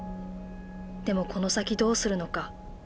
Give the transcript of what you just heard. でもこの先どうするのか。